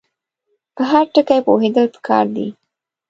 په هر ټکي پوهېدل پکار دي.